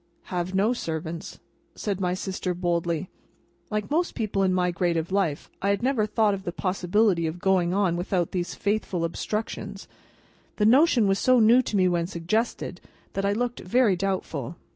"Have no servants," said my sister, boldly. Like most people in my grade of life, I had never thought of the possibility of going on without those faithful obstructions. The notion was so new to me when suggested, that I looked very doubtful.